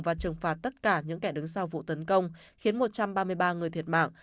và trừng phạt tất cả những kẻ đứng sau vụ tấn công khiến một trăm ba mươi ba người thiệt mạng